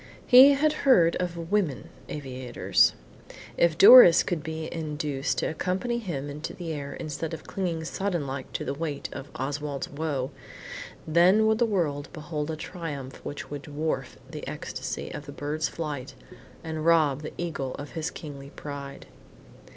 He had heard of women aviators. If Doris could be induced to accompany him into the air, instead of clinging sodden like to the weight of Oswald's woe, then would the world behold a triumph which would dwarf the ecstasy of the bird's flight and rob the eagle of his kingly pride.